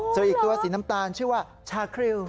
ส่วนอีกตัวสีน้ำตาลชื่อว่าชาคริว